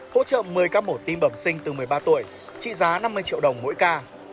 hỗ trợ một mươi các mổ tim bẩm sinh từ một mươi ba tuổi trị giá năm mươi triệu đồng mỗi ca